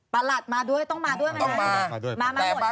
ประหลักต้องมาด้วยไหมครับ